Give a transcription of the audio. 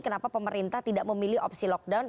kenapa pemerintah tidak memilih opsi lockdown